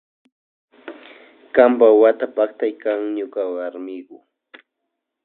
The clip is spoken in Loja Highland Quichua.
Kampa wata paktay kan ñuka warmiku.